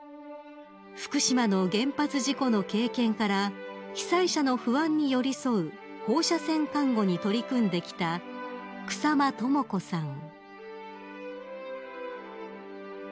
［福島の原発事故の経験から被災者の不安に寄り添う放射線看護に取り組んできた草間朋子さん］